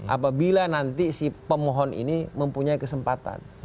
apabila nanti si pemohon ini mempunyai kesempatan